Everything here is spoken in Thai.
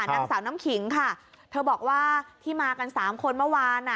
นางสาวน้ำขิงค่ะเธอบอกว่าที่มากันสามคนเมื่อวานอ่ะ